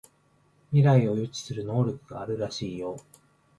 未来を予知する能力があるらしいよ